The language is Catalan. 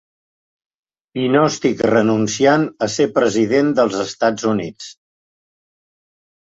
I no estic renunciant a ser president dels Estats Units.